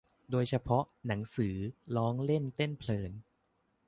โดยเฉพาะ หนังสือ ร้องเล่นเต้นเพลิน